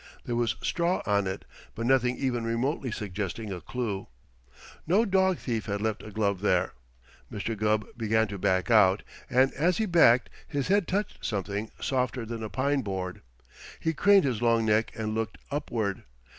There was straw on it, but nothing even remotely suggesting a clue. No dog thief had left a glove there. Mr. Gubb began to back out, and as he backed his head touched something softer than a pine board. He craned his long neck and looked upward.